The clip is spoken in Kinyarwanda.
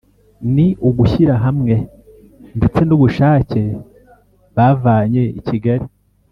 ni ugushyira hamwe ndetse n’ubushake bavanye i Kigali